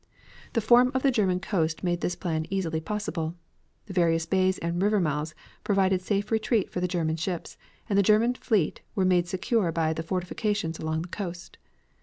The form of the German coast made this plan easily possible. The various bays and river mouths provided safe retreat for the German ships, and the German fleet were made secure by the fortifications along the coast.